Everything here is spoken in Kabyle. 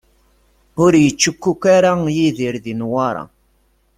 Ur yettcukku ara Yidir di Newwara.